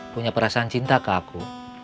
punya perasaan cinta ke aku